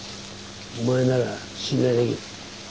お前なら信頼できる。